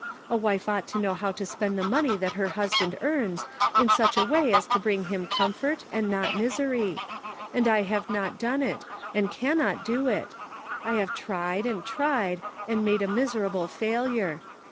a wife ought to know how to spend the money that her husband earns in such a way as to bring him comfort and not misery ; and I have not done it, and cannot do it ; I have tried and tried, and made a mis erable failure.